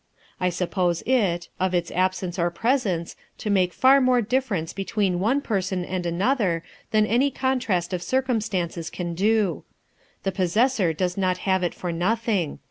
I suppose it, of its absence or presence, to make far more difference between one person and another than any contrast of circumstances can do. The possessor does not have it for nothing.